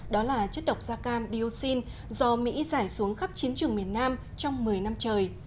đó là chất độc da cam dioxin do mỹ giải xuống khắp chiến trường miền nam trong một mươi năm trời